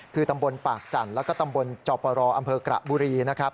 คือตำบลปากจันทร์แล้วก็ตำบลจอปรอำเภอกระบุรีนะครับ